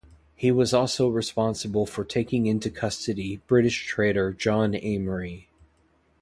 He was also responsible for taking into custody British traitor John Amery.